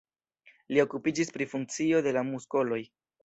Ili okupiĝis pri funkcio de la muskoloj.